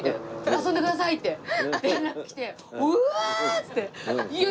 「遊んでください！」って連絡来て「うわ！」っていって。